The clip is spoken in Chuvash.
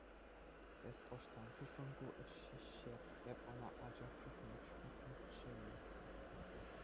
Эс ӑҫтан тупрӑн ку ҫӗҫҫе, эп ӑна ача чухнех ҫухатнӑччӗю.